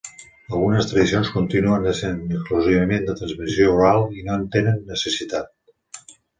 Algunes tradicions continuen essent exclusivament de transmissió oral i no en tenen necessitat.